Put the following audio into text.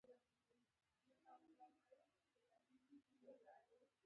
ډېری وخت ځان د بلا مخې ته اچوي.